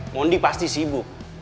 mondi pasti sibuk